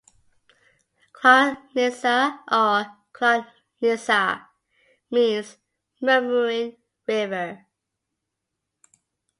"Clocniza" or "Glocniza" means "Murmuring River".